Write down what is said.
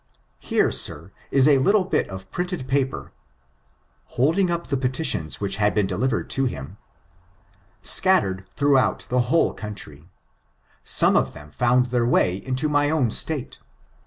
Here, sir, is a little bit of printed paper [holding up the petitions which had been delivered to him] scattered throughout the whole country. Some of ihera found their way into my own State.